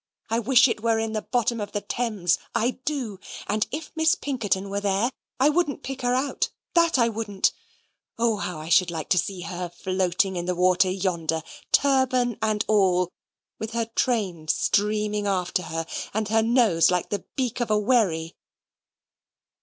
I wish it were in the bottom of the Thames, I do; and if Miss Pinkerton were there, I wouldn't pick her out, that I wouldn't. O how I should like to see her floating in the water yonder, turban and all, with her train streaming after her, and her nose like the beak of a wherry."